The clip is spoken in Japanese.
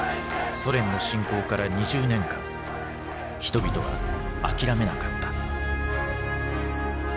ソ連の侵攻から２０年間人々は諦めなかった。